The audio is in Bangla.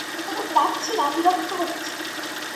রাগছি না, বিরক্ত হচ্ছি!